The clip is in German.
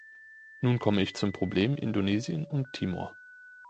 Nun komme ich zum Problem Indonesien und Timor.